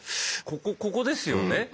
ここここですよね？